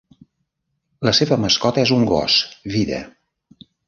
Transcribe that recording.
La seva mascota és un gos, Vida.